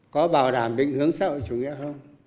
có bảo đảm định hướng xã hội chủ nghĩa không